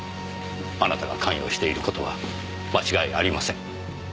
あなたが関与している事は間違いありません。